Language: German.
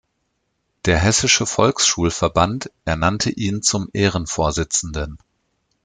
Der Hessische Volkshochschulverband ernannte ihn zum Ehrenvorsitzenden.